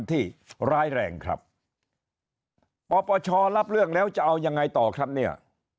ที่ร้ายแรงครับปปชรับเรื่องแล้วจะเอายังไงต่อครับเนี่ย